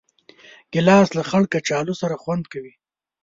ګیلاس له خړ کچالو سره خوند کوي.